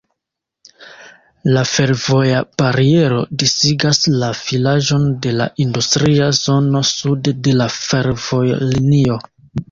La fervoja bariero disigas la vilaĝon de la industria zono sude de la fervojlinio.